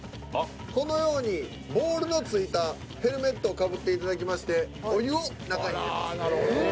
このようにボウルの付いたヘルメットをかぶっていただきましてお湯を中に入れます。